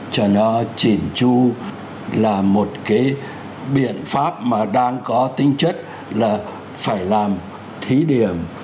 cho nó chỉn chu là một cái biện pháp mà đang có tính chất là phải làm thí điểm